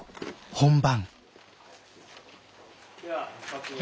本番。